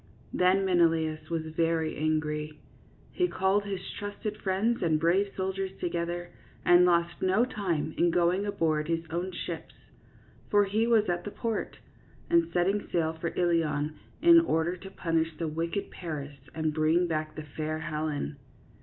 Then Menelaus was very angry. He called his trusted friends and brave soldiers together and lost no time in going aboard his own ships — for he was at the port — and setting sail for Ilion, in order to punish the wicked Paris and bring back the fair Helen.